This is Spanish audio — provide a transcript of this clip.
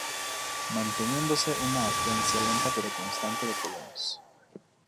Manteniéndose una afluencia lenta pero constante de colonos